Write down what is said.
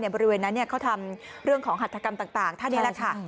บริเวณนั้นเขาทำเรื่องของหัตถกรรมต่างท่านนี้แหละค่ะ